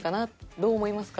どう思いますか？